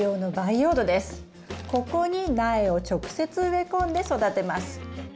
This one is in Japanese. ここに苗を直接植え込んで育てます。